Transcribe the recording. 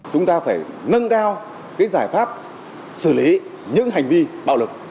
chúng ta phải nâng cao giải pháp xử lý những hành vi bạo lực